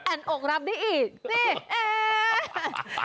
แอ่นอกรับนี่อีกนี่แอ่